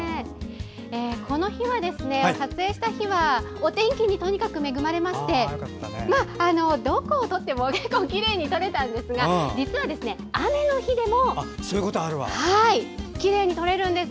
この日は、撮影した日はお天気にとにかく恵まれましてどこを撮っても結構きれいに撮れたんですが実は雨の日でもきれいに撮れるんです。